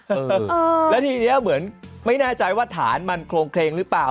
เออแล้วทีนี้เหมือนไม่แน่ใจว่าฐานมันโครงเคลงหรือเปล่า